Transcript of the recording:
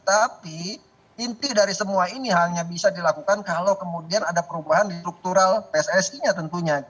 tapi inti dari semua ini hanya bisa dilakukan kalau kemudian ada perubahan di struktural pssi nya tentunya